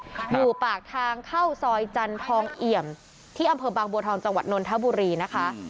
อยู่ปากทางเข้าซอยจันทองเอี่ยมที่อำเภอบางบัวทองจังหวัดนนทบุรีนะคะ